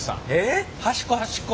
端っこ端っこ！